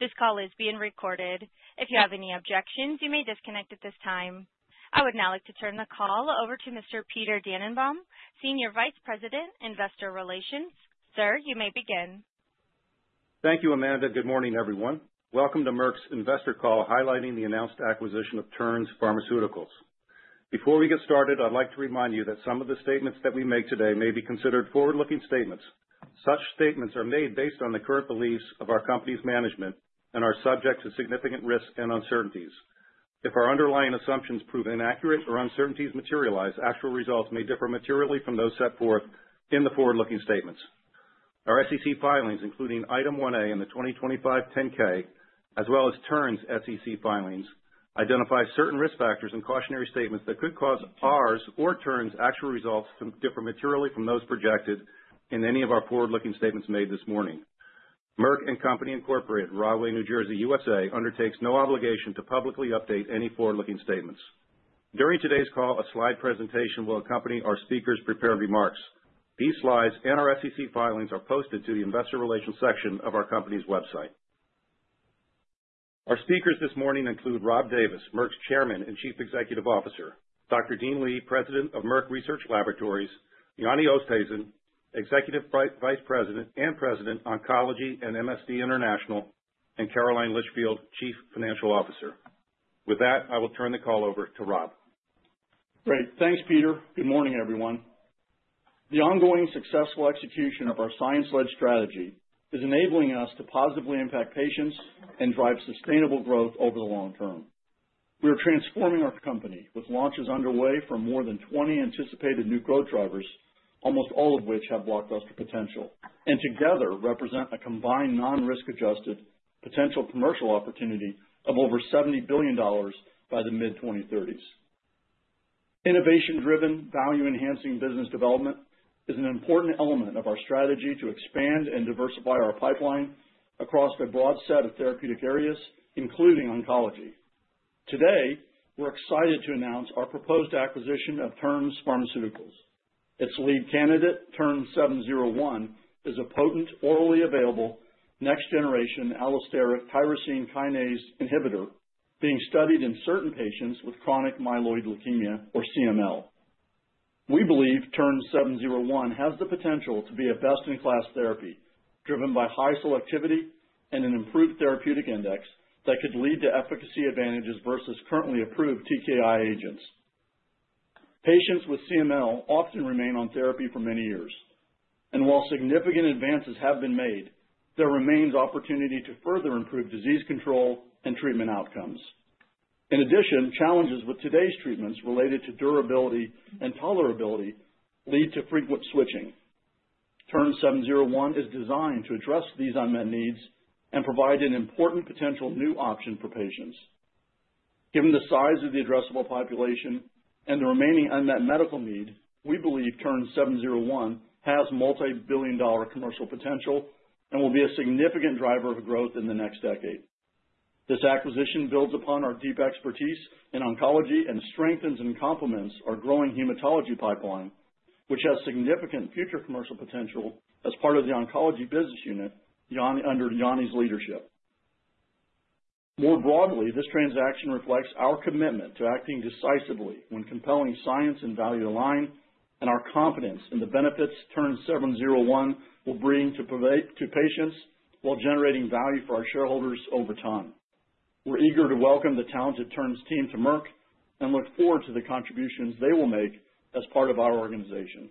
This call is being recorded. If you have any objections, you may disconnect at this time. I would now like to turn the call over to Mr. Peter Dannenbaum, Senior Vice President, Investor Relations. Sir, you may begin. Thank you, Amanda. Good morning, everyone. Welcome to Merck's investor call highlighting the announced acquisition of Terns Pharmaceuticals. Before we get started, I would like to remind you that some of the statements that we make today may be considered forward-looking statements. Such statements are made based on the current beliefs of our company's management and are subject to significant risks and uncertainties. If our underlying assumptions prove inaccurate or uncertainties materialize, actual results may differ materially from those set forth in the forward-looking statements. Our SEC filings, including Item One A in the 2025 10-K, as well as Terns' SEC filings, identify certain risk factors and cautionary statements that could cause ours or Terns' actual results to differ materially from those projected in any of our forward-looking statements made this morning. Merck & Company Incorporated, Rahway, New Jersey, U.S.A., undertakes no obligation to publicly update any forward-looking statements. During today's call, a slide presentation will accompany our speakers' prepared remarks. These slides and our SEC filings are posted to the investor relations section of our company's website. Our speakers this morning include Rob Davis, Merck's Chairman and Chief Executive Officer, Dr. Dean Li, President of Merck Research Laboratories, Jannie Oosthuizen, Executive Vice President and President, Oncology and MSD International, and Caroline Litchfield, Chief Financial Officer. With that, I will turn the call over to Rob. Great. Thanks, Peter. Good morning, everyone. The ongoing successful execution of our science-led strategy is enabling us to positively impact patients and drive sustainable growth over the long term. We are transforming our company with launches underway for more than 20 anticipated new growth drivers, almost all of which have blockbuster potential, and together represent a combined non-risk adjusted potential commercial opportunity of over $70 billion by the mid-2030s. Innovation-driven, value-enhancing business development is an important element of our strategy to expand and diversify our pipeline across a broad set of therapeutic areas, including oncology. Today, we're excited to announce our proposed acquisition of Terns Pharmaceuticals. Its lead candidate, TERN-701, is a potent orally available next-generation allosteric tyrosine kinase inhibitor being studied in certain patients with chronic myeloid leukemia or CML. We believe TERN-701 has the potential to be a best-in-class therapy, driven by high selectivity and an improved therapeutic index that could lead to efficacy advantages versus currently approved TKI agents. Patients with CML often remain on therapy for many years, and while significant advances have been made, there remains opportunity to further improve disease control and treatment outcomes. In addition, challenges with today's treatments related to durability and tolerability lead to frequent switching. TERN-701 is designed to address these unmet needs and provide an important potential new option for patients. Given the size of the addressable population and the remaining unmet medical need, we believe TERN-701 has multi-billion-dollar commercial potential and will be a significant driver of growth in the next decade. This acquisition builds upon our deep expertise in oncology and strengthens and complements our growing hematology pipeline, which has significant future commercial potential as part of the oncology business unit under Jannie's leadership. More broadly, this transaction reflects our commitment to acting decisively when compelling science and value align, and our confidence in the benefits TERN-701 will bring to patients while generating value for our shareholders over time. We're eager to welcome the talented Terns team to Merck and look forward to the contributions they will make as part of our organization.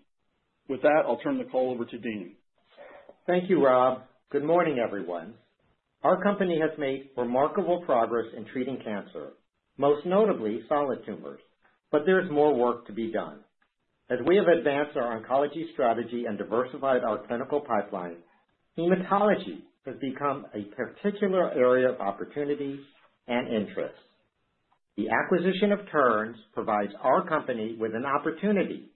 With that, I'll turn the call over to Dean. Thank you, Rob. Good morning, everyone. Our company has made remarkable progress in treating cancer, most notably solid tumors, but there is more work to be done. As we have advanced our oncology strategy and diversified our clinical pipeline, hematology has become a particular area of opportunity and interest. The acquisition of Terns provides our company with an opportunity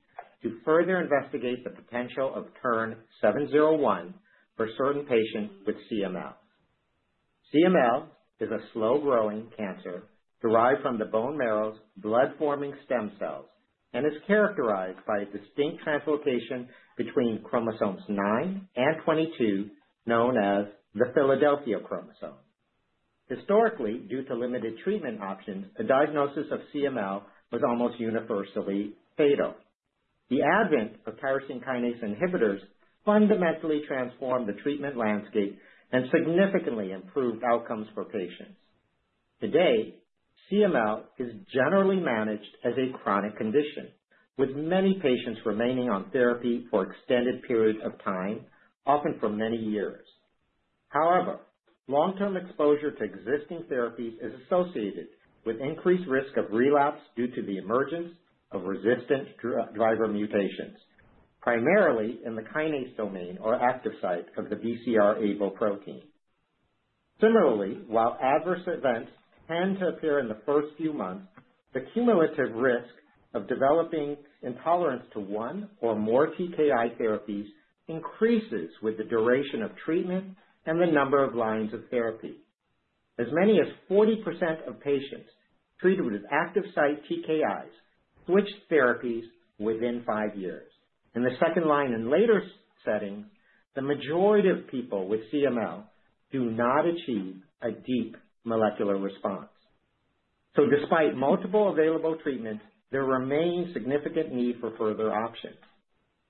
to further investigate the potential of TERN-701 for certain patients with CML. CML is a slow-growing cancer derived from the bone marrow's blood-forming stem cells and is characterized by a distinct translocation between chromosomes nine and 22, known as the Philadelphia chromosome. Historically, due to limited treatment options, a diagnosis of CML was almost universally fatal. The advent of tyrosine kinase inhibitors fundamentally transformed the treatment landscape and significantly improved outcomes for patients. Today, CML is generally managed as a chronic condition, with many patients remaining on therapy for extended periods of time, often for many years. However, long-term exposure to existing therapies is associated with increased risk of relapse due to the emergence of resistant driver mutations, primarily in the kinase domain or active site of the BCR-ABL protein. Similarly, while adverse events tend to appear in the first few months, the cumulative risk of developing intolerance to one or more TKI therapies increases with the duration of treatment and the number of lines of therapy. As many as 40% of patients treated with active site TKIs switch therapies within five years. In the second line in later settings, the majority of people with CML do not achieve a deep molecular response. Despite multiple available treatments, there remains significant need for further options.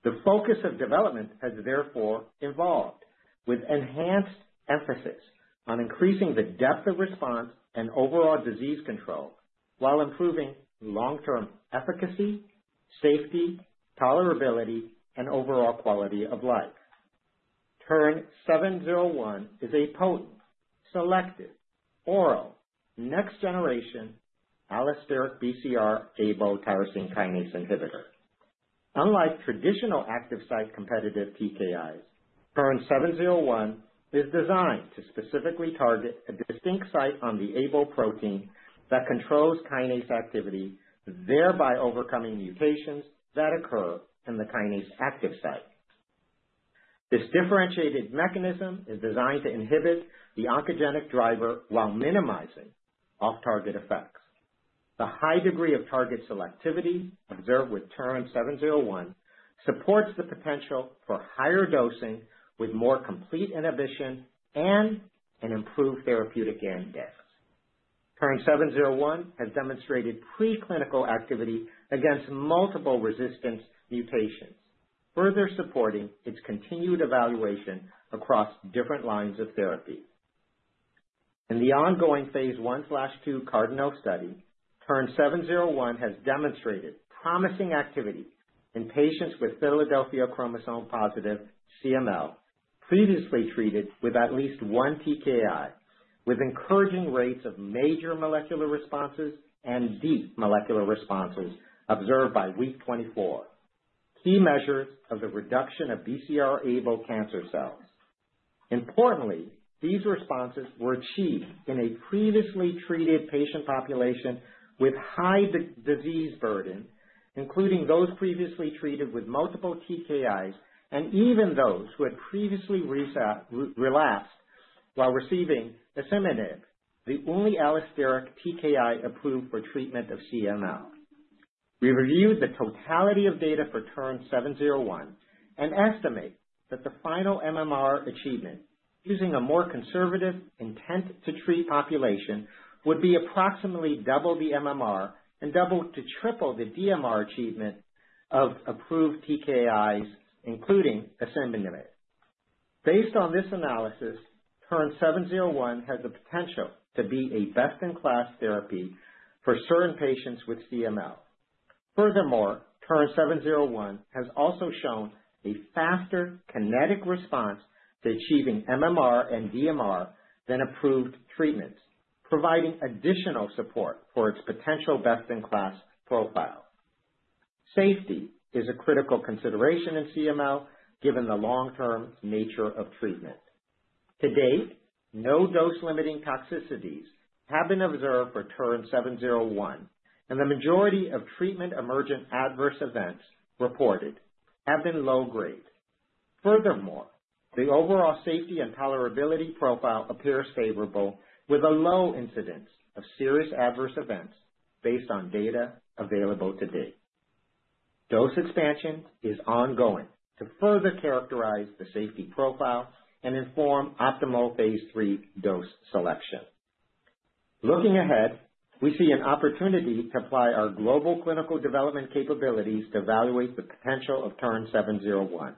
The focus of development has therefore evolved with enhanced emphasis on increasing the depth of response and overall disease control while improving long-term efficacy, safety, tolerability, and overall quality of life. TERN-701 is a potent, selective, oral next generation allosteric BCR-ABL tyrosine kinase inhibitor. Unlike traditional active site competitive TKIs, TERN-701 is designed to specifically target a distinct site on the ABL protein that controls kinase activity, thereby overcoming mutations that occur in the kinase active site. This differentiated mechanism is designed to inhibit the oncogenic driver while minimizing off-target effects. The high degree of target selectivity observed with TERN-701 supports the potential for higher dosing with more complete inhibition and an improved therapeutic index. TERN-701 has demonstrated preclinical activity against multiple resistance mutations, further supporting its continued evaluation across different lines of therapy. In the ongoing phase I/II CARDINAL study, TERN-701 has demonstrated promising activity in patients with Philadelphia chromosome-positive CML previously treated with at least 1 TKI, with encouraging rates of Major Molecular Response and Deep Molecular Response observed by week 24, key measures of the reduction of BCR-ABL cancer cells. Importantly, these responses were achieved in a previously treated patient population with high disease burden, including those previously treated with multiple TKIs and even those who had previously relapsed while receiving asciminib, the only allosteric TKI approved for treatment of CML. We reviewed the totality of data for TERN-701 and estimate that the final MMR achievement using a more conservative intent-to-treat population would be approximately double the MMR and double to triple the DMR achievement of approved TKIs, including asciminib. Based on this analysis, TERN-701 has the potential to be a best-in-class therapy for certain patients with CML. Furthermore, TERN-701 has also shown a faster kinetic response to achieving MMR and DMR than approved treatments, providing additional support for its potential best-in-class profile. Safety is a critical consideration in CML given the long-term nature of treatment. To date, no dose-limiting toxicities have been observed for TERN-701, and the majority of treatment-emergent adverse events reported have been low grade. The overall safety and tolerability profile appears favorable, with a low incidence of serious adverse events based on data available to date. Dose expansion is ongoing to further characterize the safety profile and inform optimal phase III dose selection. Looking ahead, we see an opportunity to apply our global clinical development capabilities to evaluate the potential of TERN-701.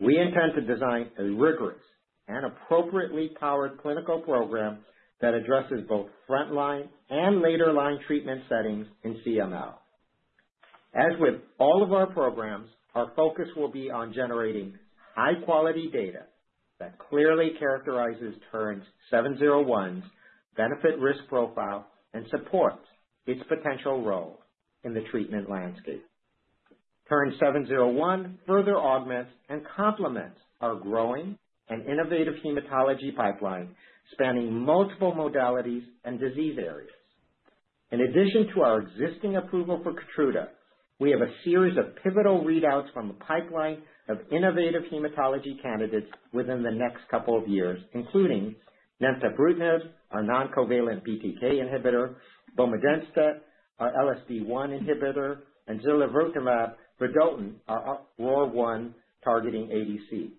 We intend to design a rigorous and appropriately powered clinical program that addresses both frontline and later-line treatment settings in CML. As with all of our programs, our focus will be on generating high-quality data that clearly characterizes TERN-701's benefit-risk profile and supports its potential role in the treatment landscape. TERN-701 further augments and complements our growing and innovative hematology pipeline spanning multiple modalities and disease areas. In addition to our existing approval for KEYTRUDA, we have a series of pivotal readouts from a pipeline of innovative hematology candidates within the next couple of years, including nemtabrutinib, our non-covalent BTK inhibitor, bomedemstat, our LSD1 inhibitor, and zilovertamab vedotin, our ROR1 targeting ADC,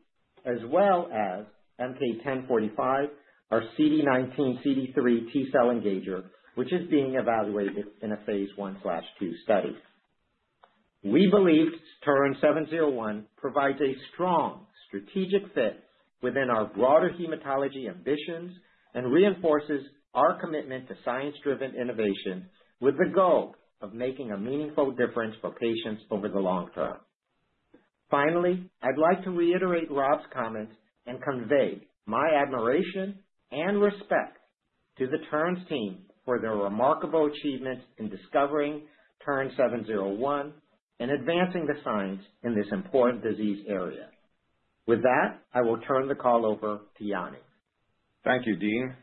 as well as MK-1045, our CD19/CD3 T-cell engager, which is being evaluated in a phase I/II study. We believe TERN-701 provides a strong strategic fit within our broader hematology ambitions and reinforces our commitment to science-driven innovation with the goal of making a meaningful difference for patients over the long term. Finally, I'd like to reiterate Rob's comments and convey my admiration and respect to the Terns team for their remarkable achievements in discovering TERN-701 and advancing the science in this important disease area. With that, I will turn the call over to Jannie. Thank you, Dean.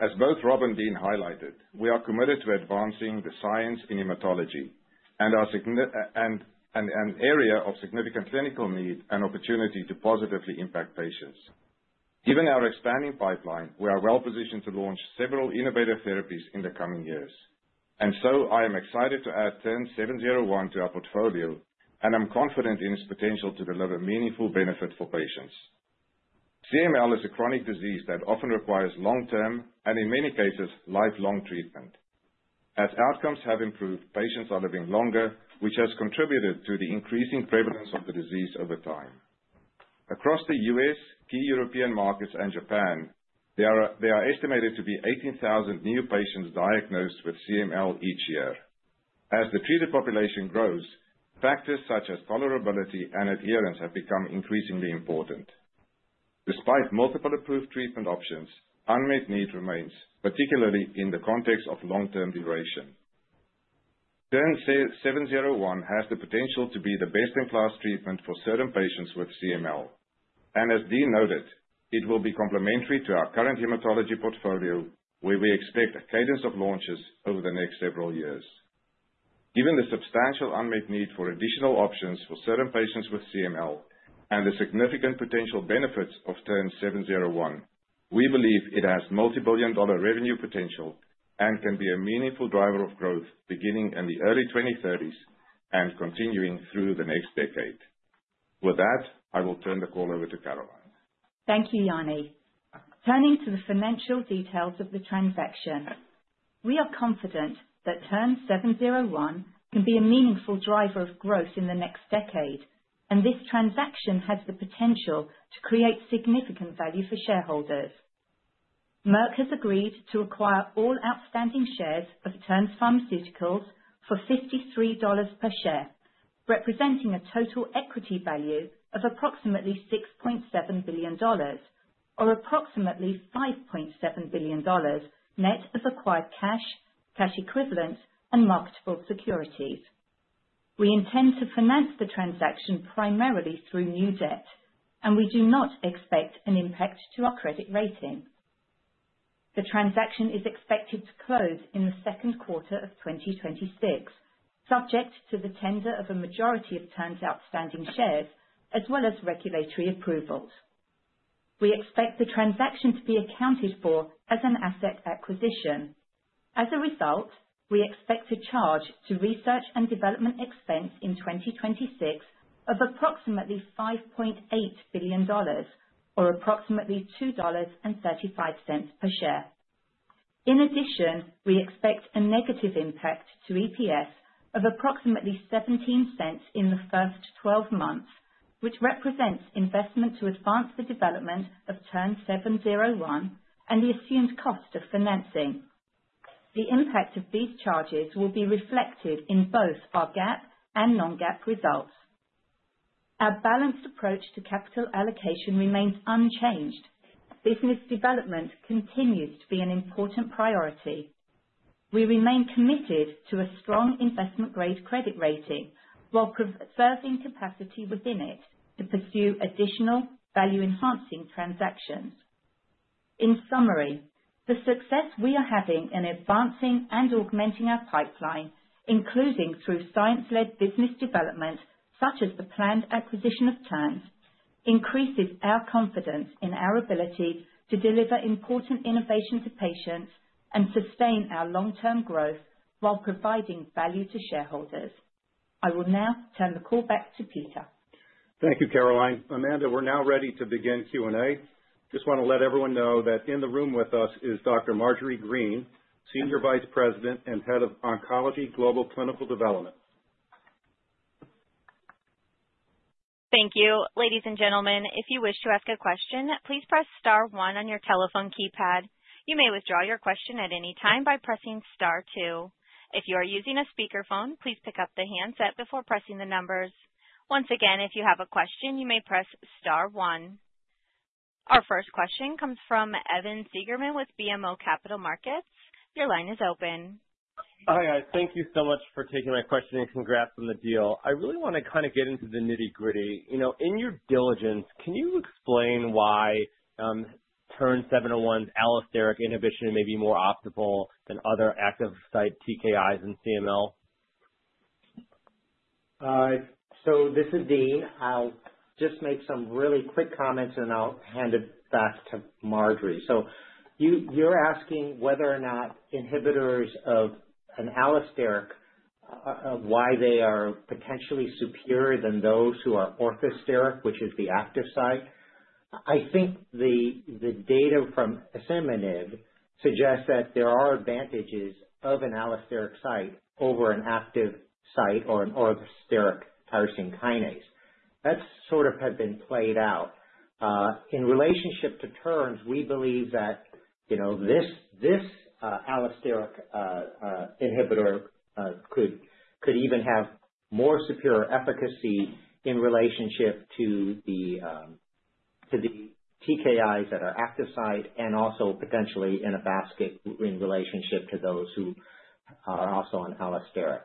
As both Rob and Dean highlighted, we are committed to advancing the science in hematology and an area of significant clinical need and opportunity to positively impact patients. Given our expanding pipeline, we are well positioned to launch several innovative therapies in the coming years. I am excited to add TERN-701 to our portfolio, and I'm confident in its potential to deliver meaningful benefits for patients. CML is a chronic disease that often requires long-term, and in many cases, lifelong treatment. As outcomes have improved, patients are living longer, which has contributed to the increasing prevalence of the disease over time. Across the U.S., key European markets, and Japan, there are estimated to be 18,000 new patients diagnosed with CML each year. As the treated population grows, factors such as tolerability and adherence have become increasingly important. Despite multiple approved treatment options, unmet need remains, particularly in the context of long-term duration. TERN-701 has the potential to be the best-in-class treatment for certain patients with CML. As Dean noted, it will be complementary to our current hematology portfolio, where we expect a cadence of launches over the next several years. Given the substantial unmet need for additional options for certain patients with CML, and the significant potential benefits of TERN-701, we believe it has multibillion-dollar revenue potential and can be a meaningful driver of growth beginning in the early 2030s and continuing through the next decade. With that, I will turn the call over to Caroline. Thank you, Jannie. Turning to the financial details of the transaction. We are confident that TERN-701 can be a meaningful driver of growth in the next decade, and this transaction has the potential to create significant value for shareholders. Merck has agreed to acquire all outstanding shares of Terns Pharmaceuticals for $53 per share, representing a total equity value of approximately $6.7 billion, or approximately $5.7 billion net of acquired cash equivalents, and marketable securities. We intend to finance the transaction primarily through new debt, and we do not expect an impact to our credit rating. The transaction is expected to close in the second quarter of 2026, subject to the tender of a majority of Terns' outstanding shares, as well as regulatory approvals. We expect the transaction to be accounted for as an asset acquisition. As a result, we expect to charge to research and development expense in 2026 of approximately $5.8 billion or approximately $2.35 per share. In addition, we expect a negative impact to EPS of approximately $0.17 in the first 12 months, which represents investment to advance the development of TERN-701 and the assumed cost of financing. The impact of these charges will be reflected in both our GAAP and Non-GAAP results. Our balanced approach to capital allocation remains unchanged. Business development continues to be an important priority. We remain committed to a strong investment-grade credit rating while conserving capacity within it to pursue additional value-enhancing transactions. In summary, the success we are having in advancing and augmenting our pipeline, including through science-led business development such as the planned acquisition of Terns, increases our confidence in our ability to deliver important innovation to patients and sustain our long-term growth while providing value to shareholders. I will now turn the call back to Peter. Thank you, Caroline. Amanda, we're now ready to begin Q&A. Just want to let everyone know that in the room with us is Dr. Marjorie Green, Senior Vice President and Head of Oncology Global Clinical Development. Thank you. Ladies and gentlemen, if you wish to ask a question, please press star 1 on your telephone keypad. You may withdraw your question at any time by pressing star 2. If you are using a speakerphone, please pick up the handset before pressing the numbers. Once again, if you have a question, you may press star 1. Our first question comes from Evan Seigerman with BMO Capital Markets. Your line is open. Hi, guys. Thank you so much for taking my question, and congrats on the deal. I really want to kind of get into the nitty-gritty. In your diligence, can you explain why TERN-701's allosteric inhibition may be more optimal than other active site TKIs in CML? This is Dean. I'll just make some really quick comments, and I'll hand it back to Marjorie. You're asking whether or not inhibitors of an allosteric, why they are potentially superior than those who are orthosteric, which is the active site. I think the data from asciminib suggests that there are advantages of an allosteric site over an active site or an orthosteric tyrosine kinase. That sort of has been played out. In relationship to Terns, we believe that this allosteric inhibitor could even have more superior efficacy in relationship to the TKIs that are active site and also potentially in a basket in relationship to those who are also on allosteric.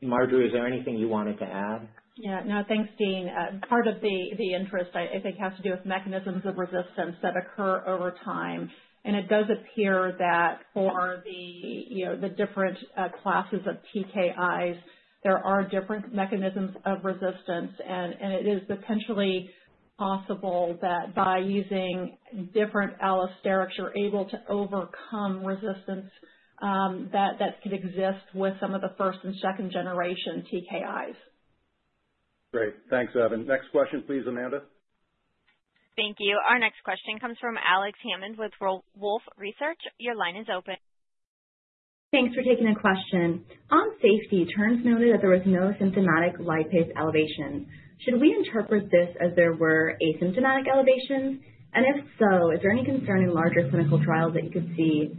Marjorie, is there anything you wanted to add? No, thanks, Dean. Part of the interest, I think, has to do with mechanisms of resistance that occur over time. It does appear that for the different classes of TKIs, there are different mechanisms of resistance, and it is potentially. Possible that by using different allosterics, you're able to overcome resistance that could exist with some of the first and second generation TKIs. Great. Thanks, Evan. Next question, please, Amanda. Thank you. Our next question comes from Alexandria Hammond with Wolfe Research. Your line is open. Thanks for taking the question. On safety, Terns noted that there was no symptomatic lipase elevation. Should we interpret this as there were asymptomatic elevations? If so, is there any concern in larger clinical trials that you could see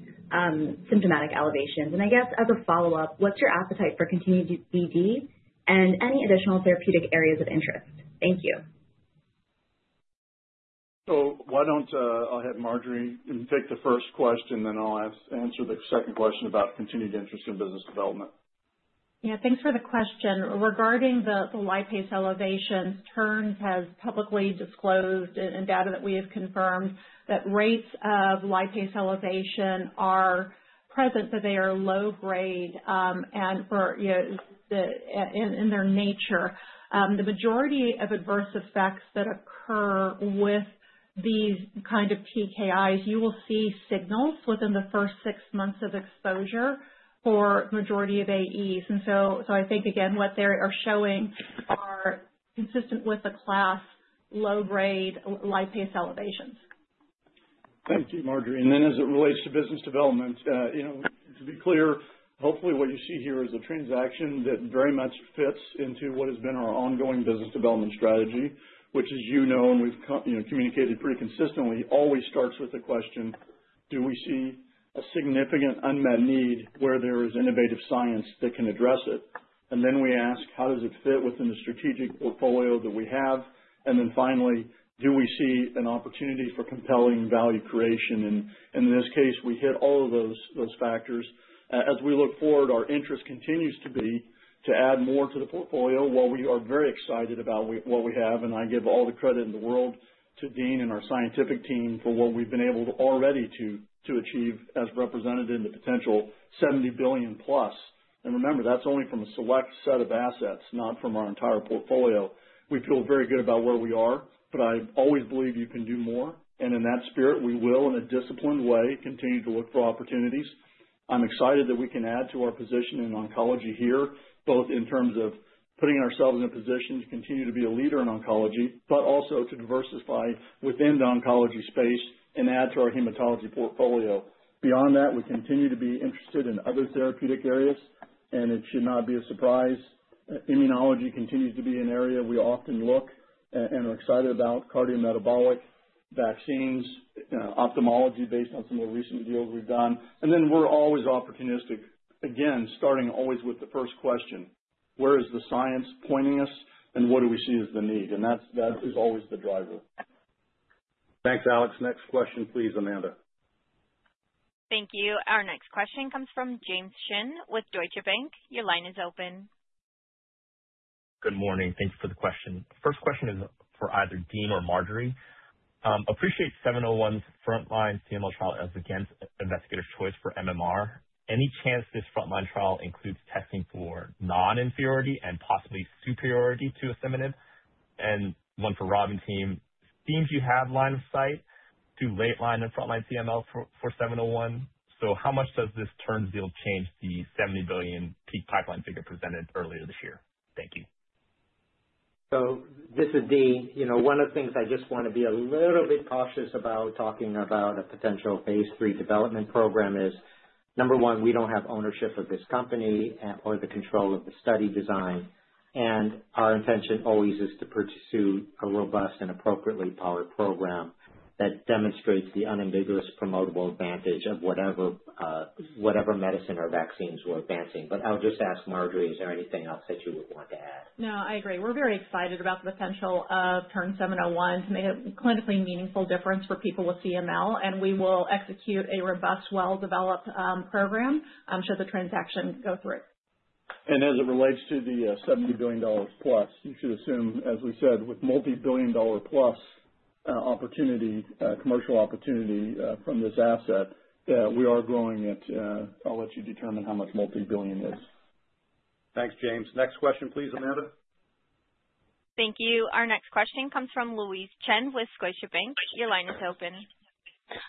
symptomatic elevations? I guess as a follow-up, what's your appetite for continued BD and any additional therapeutic areas of interest? Thank you. Why don't I'll have Marjorie take the first question, then I'll answer the second question about continued interest in business development. Yeah. Thanks for the question. Regarding the lipase elevations, Terns has publicly disclosed, and data that we have confirmed, that rates of lipase elevation are present, but they are low grade in their nature. The majority of adverse effects that occur with these kind of TKIs, you will see signals within the first six months of exposure for majority of AEs. I think, again, what they are showing are consistent with the class low grade lipase elevations. Thank you, Marjorie. Then as it relates to business development, to be clear, hopefully what you see here is a transaction that very much fits into what has been our ongoing business development strategy. Which as you know, and we've communicated pretty consistently, always starts with the question, do we see a significant unmet need where there is innovative science that can address it? Then we ask, how does it fit within the strategic portfolio that we have? Then finally, do we see an opportunity for compelling value creation? In this case, we hit all of those factors. As we look forward, our interest continues to be to add more to the portfolio while we are very excited about what we have. I give all the credit in the world to Dean and our scientific team for what we've been able already to achieve as represented in the potential $70 billion plus. Remember, that's only from a select set of assets, not from our entire portfolio. We feel very good about where we are, but I always believe you can do more, and in that spirit, we will, in a disciplined way, continue to look for opportunities. I'm excited that we can add to our position in oncology here, both in terms of putting ourselves in a position to continue to be a leader in oncology, but also to diversify within the oncology space and add to our hematology portfolio. Beyond that, we continue to be interested in other therapeutic areas, and it should not be a surprise. Immunology continues to be an area we often look and are excited about. Cardiometabolic vaccines, ophthalmology based on some of the recent deals we've done. Then we're always opportunistic. Again, starting always with the first question, where is the science pointing us, and what do we see as the need? That is always the driver. Thanks, Alex. Next question please, Amanda. Thank you. Our next question comes from James Shin with Deutsche Bank. Your line is open. Good morning. Thank you for the question. First question is for either Dean or Marjorie. Appreciate TERN-701's frontline CML trial as, again, investigator's choice for MMR. Any chance this frontline trial includes testing for non-inferiority and possibly superiority to asciminib? One for Rob team. Dean, you have line of sight to late line and frontline CML for TERN-701. How much does this Terns deal change the $70 billion peak pipeline figure presented earlier this year? Thank you. This is Dean. One of the things I just want to be a little bit cautious about talking about a potential phase III development program is, number one, we don't have ownership of this company or the control of the study design, and our intention always is to pursue a robust and appropriately powered program that demonstrates the unambiguous promotable advantage of whatever medicine or vaccines we're advancing. I'll just ask Marjorie, is there anything else that you would want to add? No, I agree. We're very excited about the potential of TERN-701 to make a clinically meaningful difference for people with CML, and we will execute a robust, well-developed program should the transaction go through. As it relates to the $70 billion+, you should assume, as we said, with multibillion-dollar+ commercial opportunity from this asset, that we are going at, I'll let you determine how much multibillion is. Thanks, James. Next question please, Amanda. Thank you. Our next question comes from Louise Chen with Scotiabank. Your line is open.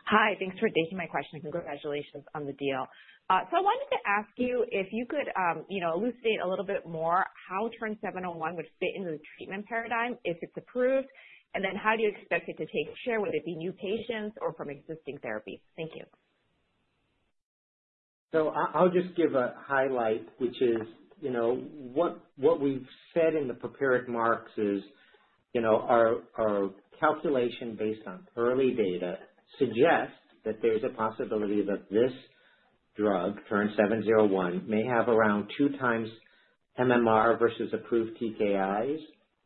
Hi. Thanks for taking my questions and congratulations on the deal. I wanted to ask you if you could elucidate a little bit more how TERN-701 would fit into the treatment paradigm if it's approved, and then how do you expect it to take share? Would it be new patients or from existing therapy? Thank you. I'll just give a highlight, which is what we've said in the prepared marks is our calculation based on early data suggests that there's a possibility that this drug, TERN-701, may have around 2x MMR versus approved TKIs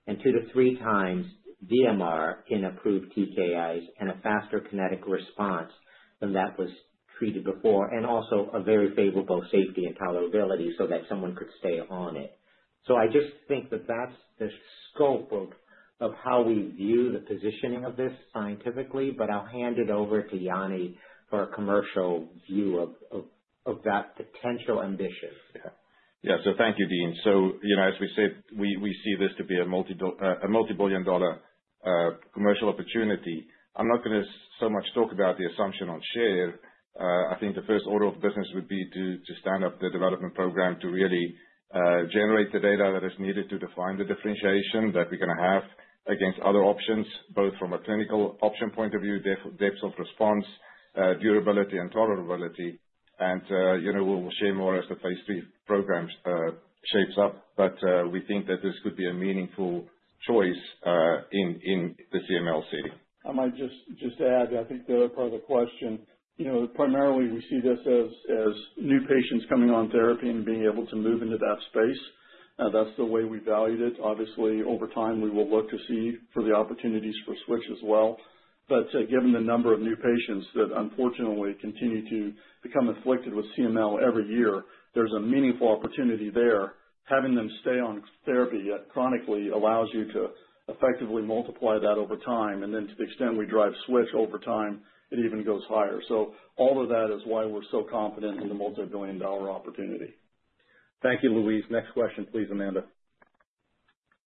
and 2x-3x DMR in approved TKIs and a faster kinetic response than that was treated before, and also a very favorable safety and tolerability so that someone could stay on it. I just think that that's the scope of how we view the positioning of this scientifically. I'll hand it over to Jannie Oosthuizen for a commercial view of that potential ambition. Thank you, Dean. As we said, we see this to be a multibillion-dollar commercial opportunity. I'm not going to so much talk about the assumption on share. I think the first order of business would be to stand up the development program to really generate the data that is needed to define the differentiation that we can have against other options, both from a clinical option point of view, depth of response, durability, and tolerability. We'll share more as the phase III program shapes up. We think that this could be a meaningful choice in the CML setting. I might just add, I think the other part of the question, primarily we see this as new patients coming on therapy and being able to move into that space. That's the way we valued it. Obviously, over time, we will look to see for the opportunities for switch as well. Given the number of new patients that unfortunately continue to become afflicted with CML every year, there's a meaningful opportunity there. Having them stay on therapy chronically allows you to effectively multiply that over time, and then to the extent we drive switch over time, it even goes higher. All of that is why we're so confident in the multibillion-dollar opportunity. Thank you, Louise. Next question, please, Amanda.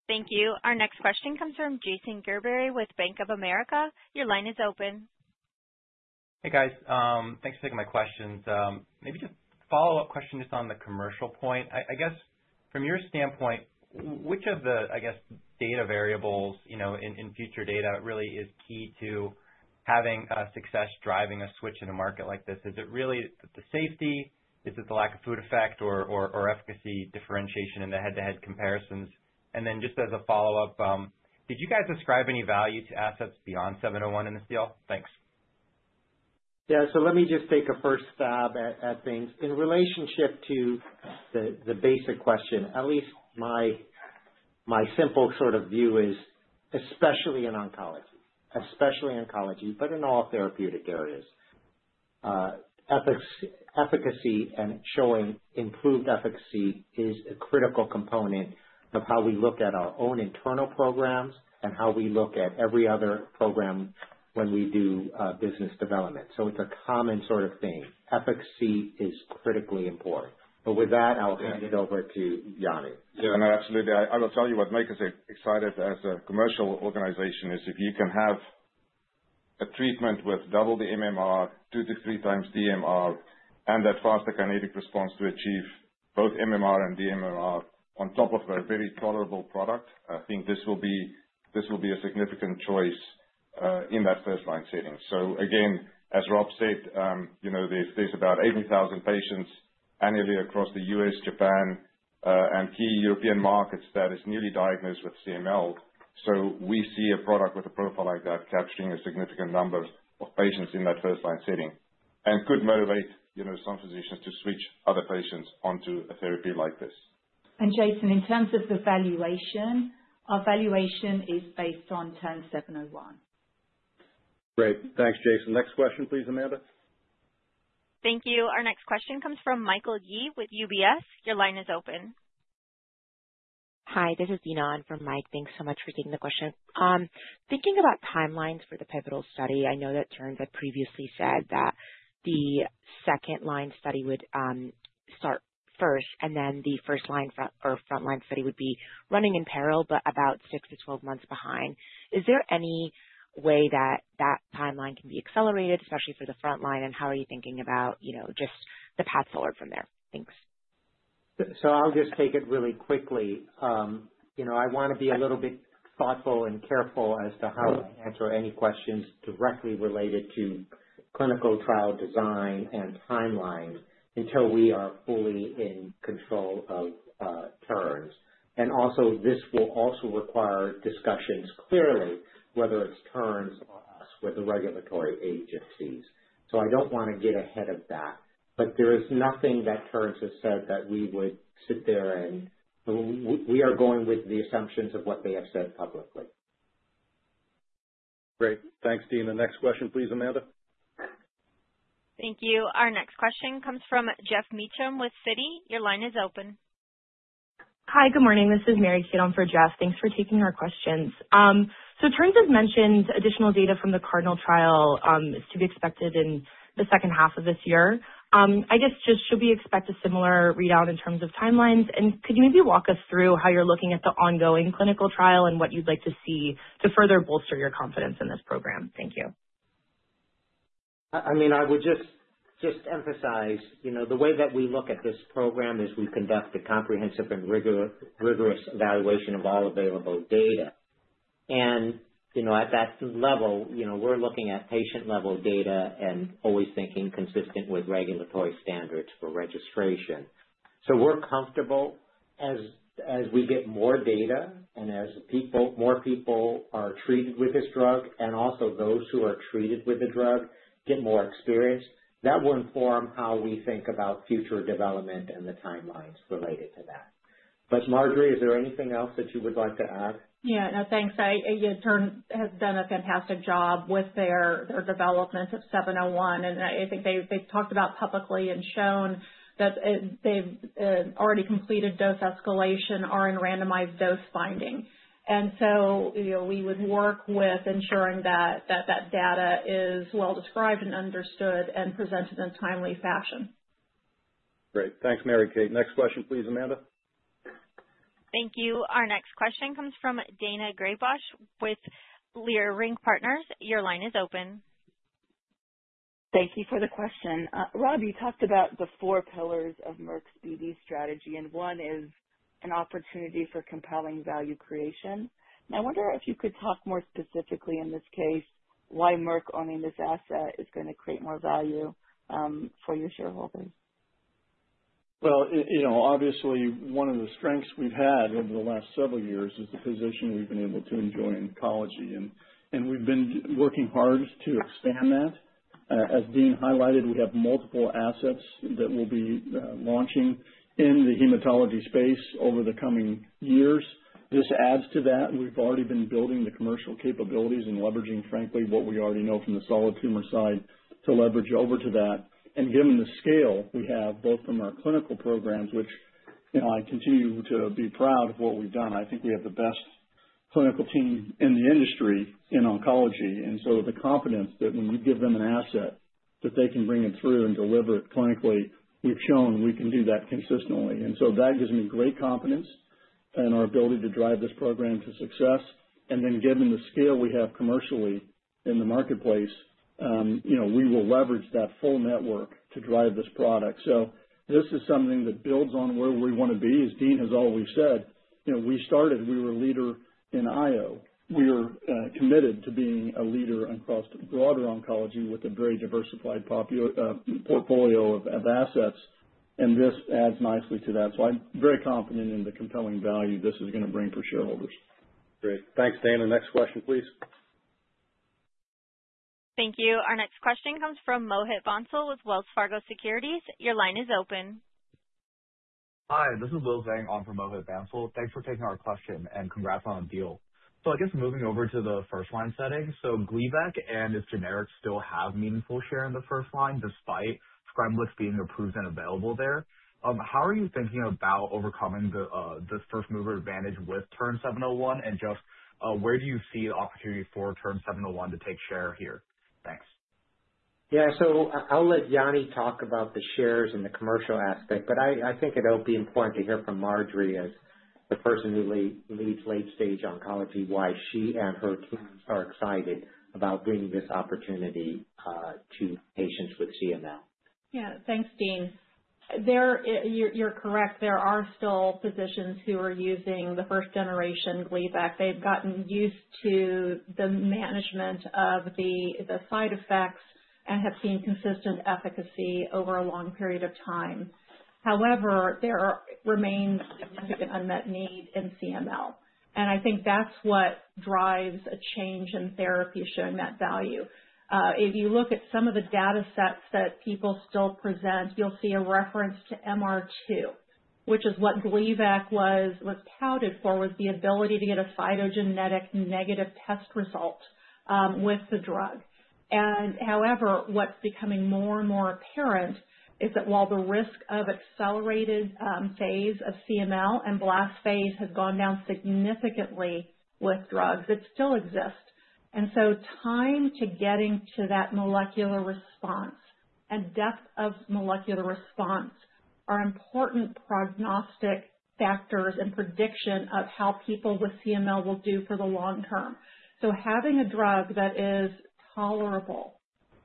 Thank you. Our next question comes from Jason Gerberry with Bank of America. Your line is open. Hey, guys. Thanks for taking my questions. Maybe just a follow-up question just on the commercial point. I guess from your standpoint, which of the, I guess, data variables in future data really is key to having success driving a switch in a market like this? Is it really the safety? Is it the lack of fluid effect or efficacy differentiation in the head-to-head comparisons? Just as a follow-up, did you guys ascribe any value to assets beyond 701 in this deal? Thanks. Yeah. Let me just take a first stab at things. In relationship to the basic question, at least my simple view is especially in oncology, but in all therapeutic areas, efficacy and showing improved efficacy is a critical component of how we look at our own internal programs and how we look at every other program when we do business development. It's a common sort of theme. Efficacy is critically important. With that, I'll hand it over to Jannie. Absolutely. I will tell you what makes us excited as a commercial organization is if you can have a treatment with double the MMR, two to three times DMR, and a faster kinetic response to achieve both MMR and DMR on top of a very tolerable product, I think this will be a significant choice in that first-line setting. Again, as Rob said, there's about 80,000 patients annually across the U.S., Japan, and key European markets that is newly diagnosed with CML. We see a product with a profile like that capturing a significant number of patients in that first-line setting and could motivate some physicians to switch other patients onto a therapy like this. Jason, in terms of the valuation, our valuation is based on TERN-701. Great. Thanks, Jason. Next question, please, Amanda. Thank you. Our next question comes from Michael Yee with UBS. Your line is open. Hi, this is Yinan from Michael Yee. Thanks so much for taking the question. Thinking about timelines for the pivotal study, I know that Terns has previously said that the second-line study would start first, and then the first line or front-line study would be running in parallel, but about six to 12 months behind. Is there any way that that timeline can be accelerated, especially for the front line? How are you thinking about just the path forward from there? Thanks. I'll just take it really quickly. I want to be a little bit thoughtful and careful as to how I answer any questions directly related to clinical trial design and timeline until we are fully in control of Terns. This will also require discussions, clearly, whether it's Terns or us with the regulatory agencies. I don't want to get ahead of that. There is nothing that Terns has said that we would sit there. We are going with the assumptions of what they have said publicly. Great. Thanks, Yinan. Next question, please, Amanda. Thank you. Our next question comes from Geoff Meacham with Citi. Your line is open. Hi, good morning. This is Mary Kate on for Geoff. Thanks for taking our questions. Terns has mentioned additional data from the CARDINAL trial is to be expected in the second half of this year. I guess just should we expect a similar readout in terms of timelines? Could you maybe walk us through how you're looking at the ongoing clinical trial and what you'd like to see to further bolster your confidence in this program? Thank you. I would just emphasize, the way that we look at this program is we conduct a comprehensive and rigorous evaluation of all available data. At that level, we're looking at patient-level data and always thinking consistent with regulatory standards for registration. We're comfortable as we get more data and as more people are treated with this drug, and also those who are treated with the drug get more experience, that will inform how we think about future development and the timelines related to that. Marjorie, is there anything else that you would like to add? Yeah, no, thanks. Again, Terns has done a fantastic job with their development of TERN-701, and I think they've talked about publicly and shown that they've already completed dose escalation are in randomized dose finding. We would work with ensuring that that data is well described and understood and presented in a timely fashion. Great. Thanks, Mary Kate. Next question, please, Amanda. Thank you. Our next question comes from Daina Graybosch with Leerink Partners. Your line is open. Thank you for the question. Rob, you talked about the four pillars of Merck's BD strategy. One is an opportunity for compelling value creation. I wonder if you could talk more specifically, in this case, why Merck owning this asset is going to create more value for your shareholders. Well, obviously, one of the strengths we've had over the last several years is the position we've been able to enjoy in oncology, and we've been working hard to expand that. As Dean highlighted, we have multiple assets that we'll be launching in the hematology space over the coming years. This adds to that, we've already been building the commercial capabilities and leveraging, frankly, what we already know from the solid tumor side to leverage over to that. Given the scale we have, both from our clinical programs, which I continue to be proud of what we've done. I think we have the best clinical team in the industry in oncology, so the confidence that when we give them an asset, that they can bring it through and deliver it clinically, we've shown we can do that consistently. That gives me great confidence in our ability to drive this program to success. Given the scale we have commercially in the marketplace, we will leverage that full network to drive this product. This is something that builds on where we want to be. As Dean has always said, we were a leader in IO. We are committed to being a leader across broader oncology with a very diversified portfolio of assets, and this adds nicely to that. I'm very confident in the compelling value this is going to bring for shareholders. Great. Thanks, Daina. Next question, please. Thank you. Our next question comes from Mohit Bansal with Wells Fargo Securities. Your line is open. Hi, this is William Zhang on for Mohit Bansal. Thanks for taking our question and congrats on the deal. I guess moving over to the first-line setting. Gleevec and its generics still have meaningful share in the first line, despite Scemblix being approved and available there. How are you thinking about overcoming this first-mover advantage with TERN-701, and just where do you see the opportunity for TERN-701 to take share here? Thanks. Yeah. I'll let Jannie talk about the shares and the commercial aspect, but I think it'll be important to hear from Marjorie, as the person who leads late stage oncology, why she and her teams are excited about bringing this opportunity to patients with CML. Yeah. Thanks, Dean. You're correct. There are still physicians who are using the first generation Gleevec. They've gotten used to the management of the side effects and have seen consistent efficacy over a long period of time. There remains a significant unmet need in CML, and I think that's what drives a change in therapy showing that value. If you look at some of the data sets that people still present, you'll see a reference to MCyR, which is what Gleevec was touted for, was the ability to get a cytogenetic negative test result with the drug. However, what's becoming more and more apparent is that while the risk of accelerated phase of CML and blast phase has gone down significantly with drugs, it still exists. Time to getting to that molecular response and depth of molecular response are important prognostic factors in prediction of how people with CML will do for the long term. Having a drug that is tolerable,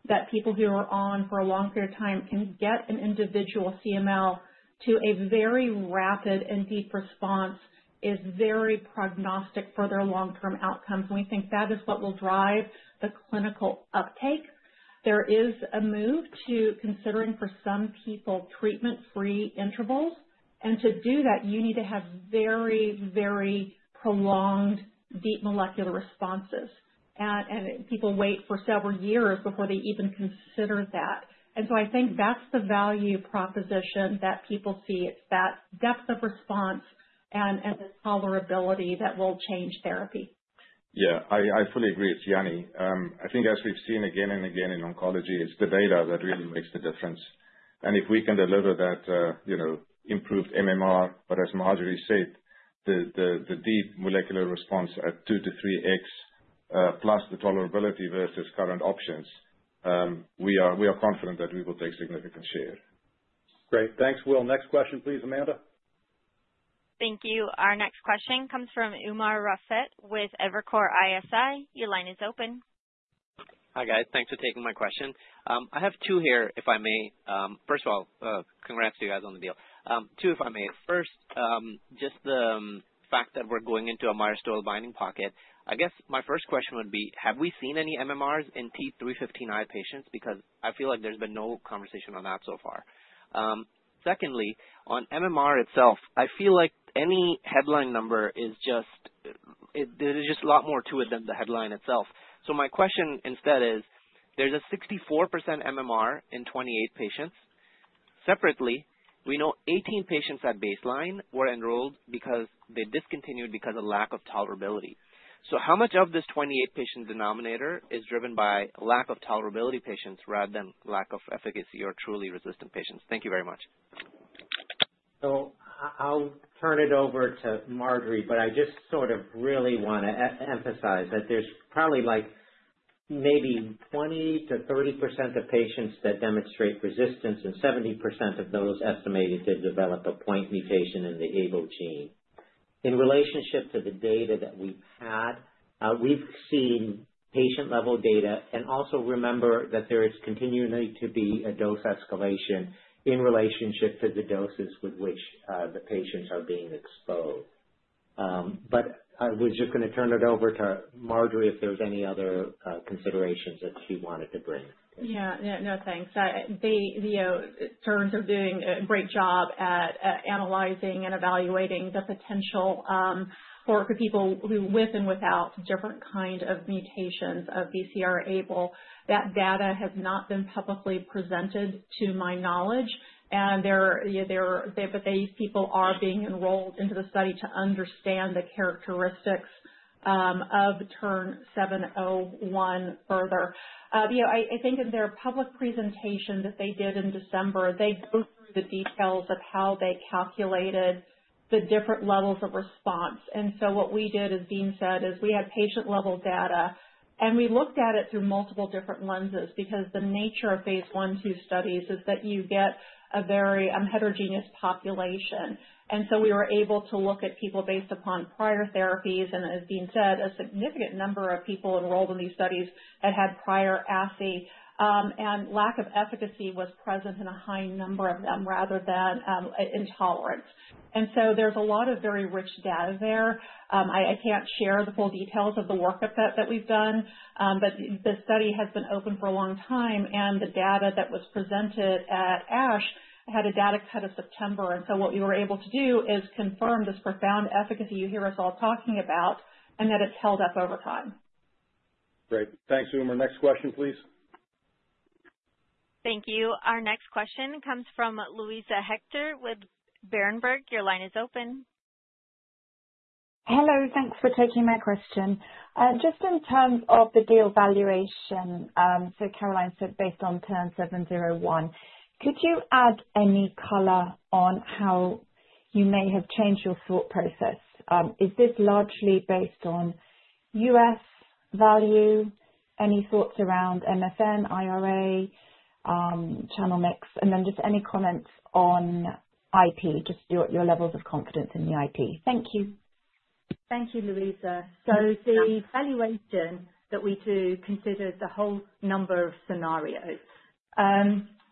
that people who are on for a long period of time can get an individual CML to a very rapid and deep response, is very prognostic for their long-term outcomes, and we think that is what will drive the clinical uptake. There is a move to considering, for some people, treatment-free intervals, and to do that, you need to have very prolonged, deep molecular responses, and people wait for several years before they even consider that. I think that's the value proposition that people see. It's that depth of response and the tolerability that will change therapy. Yeah, I fully agree. It's Jannie. I think as we've seen again and again in oncology, it's the data that really makes the difference. If we can deliver that improved MMR, but as Marjorie said, the Deep Molecular Response at 2x-3x, plus the tolerability versus current options, we are confident that we will take significant share. Great. Thanks, Will. Next question please, Amanda. Thank you. Our next question comes from Umer Raffat with Evercore ISI. Your line is open. Hi, guys. Thanks for taking my question. I have two here, if I may. Congrats to you guys on the deal. Two, if I may. First, just the fact that we're going into a myristoyl binding pocket. I guess my first question would be, have we seen any MMRs in T315I patients? I feel like there's been no conversation on that so far. Secondly, on MMR itself, I feel like any headline number, there's just a lot more to it than the headline itself. My question instead is, there's a 64% MMR in 28 patients. Separately, we know 18 patients at baseline were enrolled because they discontinued because of lack of tolerability. How much of this 28-patient denominator is driven by lack of tolerability patients rather than lack of efficacy or truly resistant patients? Thank you very much. I'll turn it over to Marjorie, but I just sort of really want to emphasize that there's probably like maybe 20%-30% of patients that demonstrate resistance and 70% of those estimated to develop a point mutation in the ABL gene. In relationship to the data that we've had, we've seen patient-level data, and also remember that there is continuing to be a dose escalation in relationship to the doses with which the patients are being exposed. I was just going to turn it over to Marjorie if there's any other considerations that she wanted to bring. Yeah. No, thanks. Terns are doing a great job at analyzing and evaluating the potential for people with and without different kind of mutations of BCR-ABL. That data has not been publicly presented to my knowledge. These people are being enrolled into the study to understand the characteristics of TERN-701 further. I think in their public presentation that they did in December, they go through the details of how they calculated the different levels of response. What we did, as Dean said, is we had patient-level data, and we looked at it through multiple different lenses because the nature of phase I/ phase II studies is that you get a very heterogeneous population. We were able to look at people based upon prior therapies, and as Dean said, a significant number of people enrolled in these studies had prior asciminib, and lack of efficacy was present in a high number of them rather than intolerance. There's a lot of very rich data there. I can't share the full details of the work that we've done, but the study has been open for a long time, and the data that was presented at ASH had a data cut of September. What we were able to do is confirm this profound efficacy you hear us all talking about and that it's held up over time. Great. Thank you. The next question, please. Thank you. Our next question comes from Luisa Hector with Berenberg. Your line is open. Hello. Thanks for taking my question. Just in terms of the deal valuation, Caroline said based on TERN-701, could you add any color on how you may have changed your thought process? Is this largely based on U.S. value? Any thoughts around MFN, IRA, channel mix? Just any comments on IP, just your levels of confidence in the IP. Thank you. Thank you, Luisa. The valuation that we do considers a whole number of scenarios.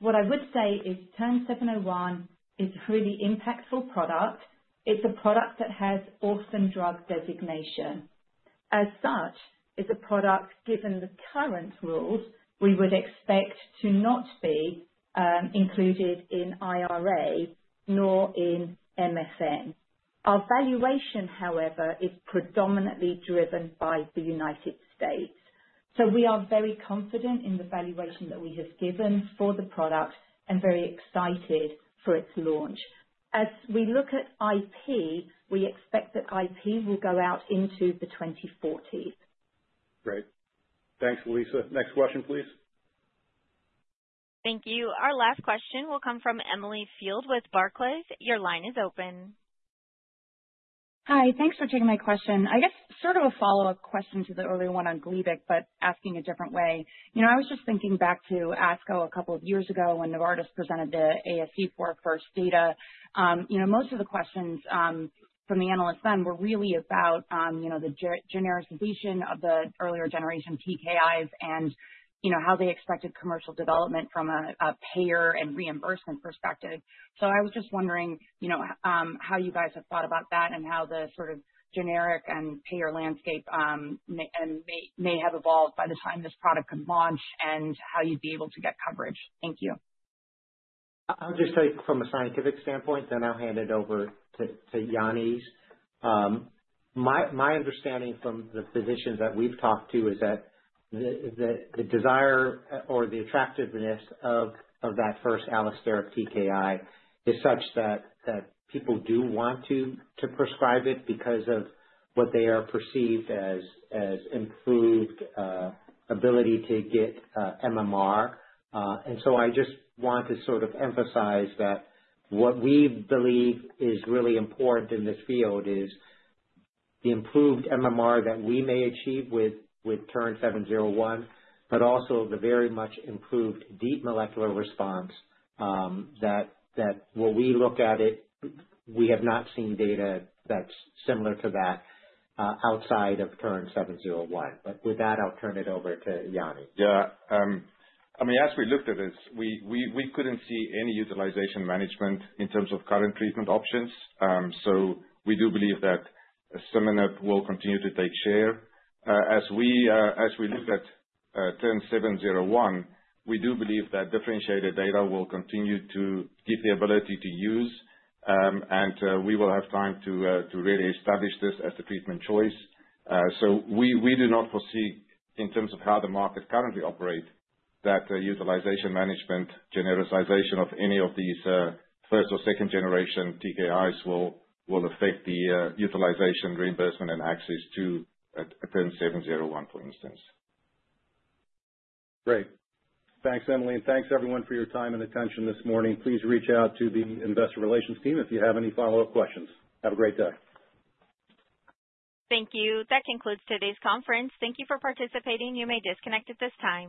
What I would say is TERN-701 is a really impactful product. It's a product that has orphan drug designation. As such, it's a product, given the current rules, we would expect to not be included in IRA nor in MFN. Our valuation, however, is predominantly driven by the United States. We are very confident in the valuation that we have given for the product and very excited for its launch. As we look at IP, we expect that IP will go out into the 2040s. Great. Thanks, Luisa. Next question, please. Thank you. Our last question will come from Emily Field with Barclays. Your line is open. Hi. Thanks for taking my question. I guess sort of a follow-up question to the earlier one on Gleevec, but asking a different way. I was just thinking back to ASCO a couple of years ago when Novartis presented the ASC4FIRST data. Most of the questions from the analyst end were really about the genericization of the earlier generation TKIs and how they expected commercial development from a payer and reimbursement perspective. I was just wondering how you guys have thought about that and how the sort of generic and payer landscape may have evolved by the time this product could launch and how you'd be able to get coverage. Thank you. I'll just say from a scientific standpoint, then I'll hand it over to Jannie. My understanding from the physicians that we've talked to is that the desire or the attractiveness of that first allosteric TKI is such that people do want to prescribe it because of what they are perceived as improved ability to get MMR. I just want to sort of emphasize that what we believe is really important in this field is the improved MMR that we may achieve with TERN-701, but also the very much improved deep molecular response that when we look at it, we have not seen data that's similar to that outside of TERN-701. With that, I'll turn it over to Jannie. Yeah. As we looked at this, we couldn't see any utilization management in terms of current treatment options. We do believe that Scemblix will continue to take share. As we looked at TERN-701, we do believe that differentiated data will continue to give the ability to use, and we will have time to really establish this as the treatment choice. We do not foresee in terms of how the market currently operates, that the utilization management genericization of any of these first or second generation TKIs will affect the utilization, reimbursement, and access to TERN-701, for instance. Great. Thanks, Emily. Thanks, everyone, for your time and attention this morning. Please reach out to the investor relations team if you have any follow-up questions. Have a great day. Thank you. That concludes today's conference. Thank you for participating. You may disconnect at this time.